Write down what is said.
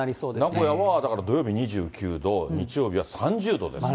名古屋もだから土曜日２９度、日曜日は３０度ですから。